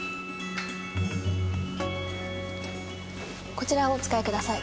こちらをお使い下さい。